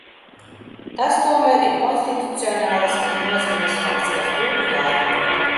Tas tomēr ir konstitucionālas nozīmes fakts, kas būtu jāietver.